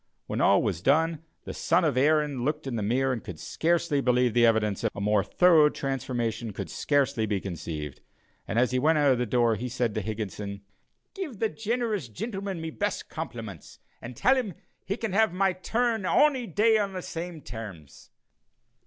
When all was done, the son of Erin looked in the mirror and could scarcely believe the evidence of his own eyes. A more thorough transformation could scarcely be conceived, and as he went out of the door he said to Higginson: "Give the generous gintleman me best complements and tell him he can have my turn ony day on the same terms."